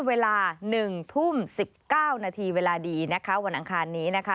เวลา๑ทุ่ม๑๙นาทีเวลาดีนะคะวันอังคารนี้นะคะ